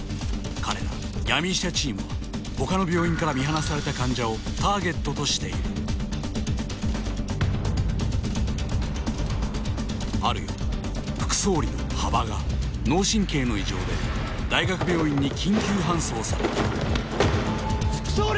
彼ら闇医者チームはほかの病院から見放された患者をターゲットとしているある夜副総理の羽場が脳神経の異常で大学病院に緊急搬送された副総理！